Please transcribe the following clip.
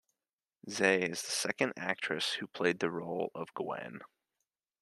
Zea is the second actress who played the role of Gwen.